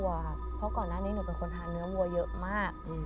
เพราะก่อนหน้านี้หนูเป็นคนทานเนื้อวัวเยอะมาก